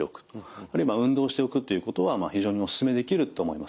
あるいは運動をしておくっていうことは非常におすすめできると思います。